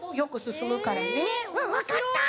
うんわかった！